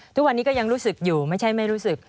ทุกวันนี้ก็ยังรู้สึกอยู่ไม่ใช่ไม่รู้สึก